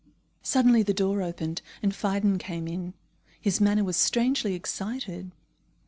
Suddenly the door opened, and Phidon came in. His manner was strangely excited.